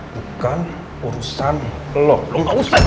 bukan urusan lo lo gak usah tercapa